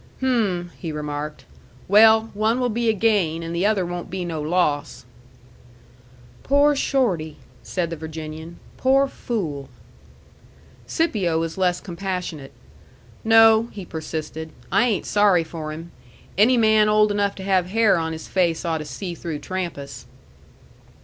"Hm," he remarked. "Well, one will be a gain, and the other won't be no loss." "Poor Shorty!" said the Virginian. "Poor fool!" Scipio was less compassionate. "No," he persisted, "I ain't sorry for him. Any man old enough to have hair on his face ought to see through Trampas."